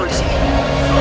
tidak ada yang menolongmu